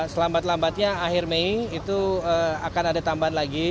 selambat lambatnya akhir mei itu akan ada tambahan lagi